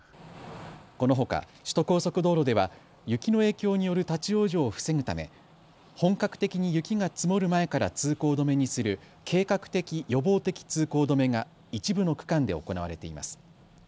このほか首都高速道路では雪の影響による立往生を防ぐため本格的に雪が積もる前から通行止めにする計画的・予防的通行止めが一部の区間で行われています。